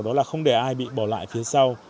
đó là không để ai bị bỏ lại phía sau